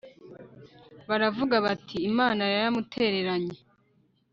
baravuga bati imana yaramutereranye